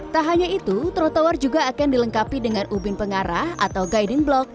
tak hanya itu trotoar juga akan dilengkapi dengan ubin pengarah atau guiding block